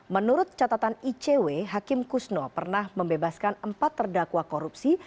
menurut catatan icw hakim kusno pernah membebaskan empat terdakwa korupsi